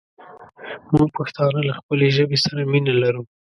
مونږ پښتانه له خپلې ژبې سره مينه لرو